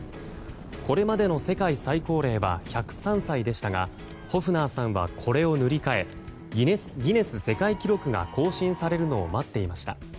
これまでの世界最高齢は１０３歳でしたがホフナーさんは、これを塗り替えギネス世界記録が更新されるのを待っていました。